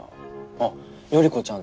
あっ頼子ちゃん